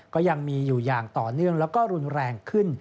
ก็ยังมีอยู่อย่างต่อเนื่องแล้วก็รุนแรงขึ้น